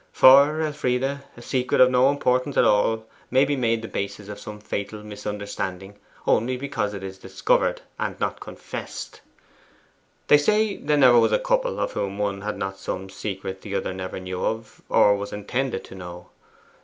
For, Elfride, a secret of no importance at all may be made the basis of some fatal misunderstanding only because it is discovered, and not confessed. They say there never was a couple of whom one had not some secret the other never knew or was intended to know.